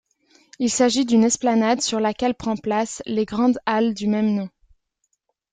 Il s'agit d'une esplanade sur laquelle prend place les Grandes halles du même nom.